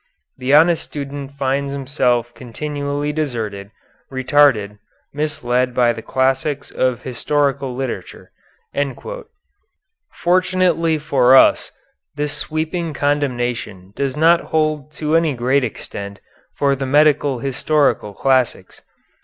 The honest student finds himself continually deserted, retarded, misled by the classics of historical literature." Fortunately for us this sweeping condemnation does not hold to any great extent for the medical historical classics.